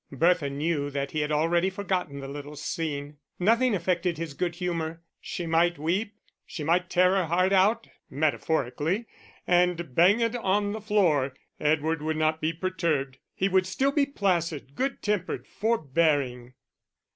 Bertha knew that he had already forgotten the little scene. Nothing affected his good humour. She might weep, she might tear her heart out (metaphorically), and bang it on the floor, Edward would not be perturbed; he would still be placid, good tempered, forbearing.